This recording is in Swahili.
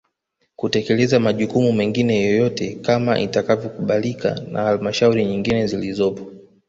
Kutekeleza majukumu mengine yoyote kama itakavyokubalika na Halmashauri nyingine zilizopo